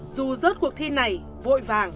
dù rớt cuộc thi này vội vàng